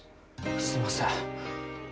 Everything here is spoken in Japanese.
すいません。